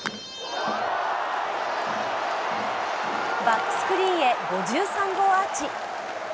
バックスクリーンへ５３号アーチ。